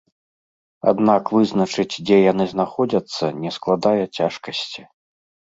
Аднак вызначыць, дзе яны знаходзяцца, не складае цяжкасці.